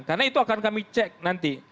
karena itu akan kami cek nanti